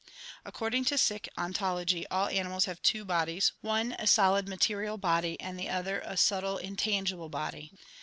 According to Sikh ontology all animals have two bodies, one a solid material body and the other a subtile intangible body.